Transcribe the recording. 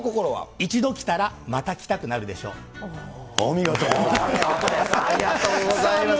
一度来たらまた来たくなるでお見事でございます。